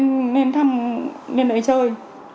mẹ cũng lên thăm lên đấy chơi